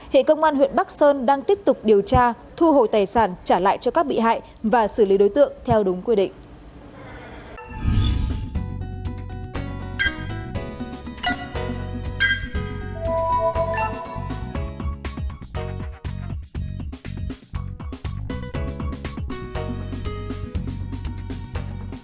hệ công an huyện bắc sơn đang tiếp tục điều tra thu hồi tài sản trả lại cho các bị hại và xử lý đối tượng theo đúng quy định